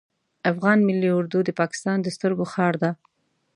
افغان ملی اردو د پاکستان د سترګو خار ده